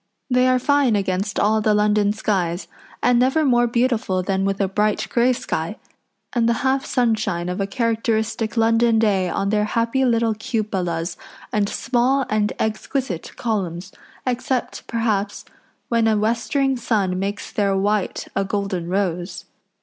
They are fine against all the London skies, and never more beautiful than with a bright grey sky, and the half sunshine of a characteristic London day on their happy little cupolas and small and exquisite columns, except, perhaps, when a westering sun makes their white a golden rose.